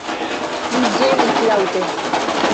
Li ĝemis laŭte.